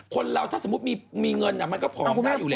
คนเรามีเงินมันก็พอมเอาอยู่แล้ว